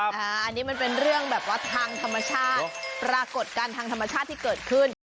อันนี้มันเป็นเรื่องแบบว่าทางธรรมชาติปรากฏการณ์ทางธรรมชาติที่เกิดขึ้น